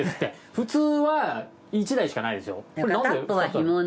普通は１台しかないですよ。